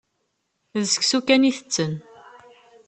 D seksu kan i tetten.